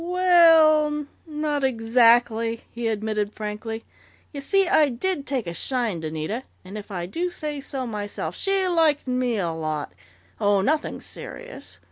"We el, not exactly," he admitted frankly. "You see, I did take a shine to Nita, and if I do say so myself, she liked me a lot.... Oh, nothing serious!